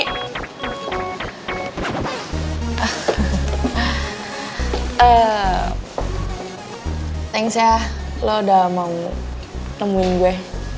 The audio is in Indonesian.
thanks ya lo udah mau nemuin gue